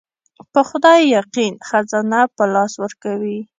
په خدای يقين خزانه په لاس ورکوي.